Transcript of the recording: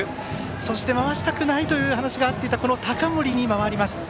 そして、回したくないという話があった高森に回ります。